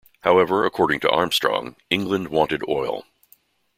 However, according to Armstrong, England wanted oil.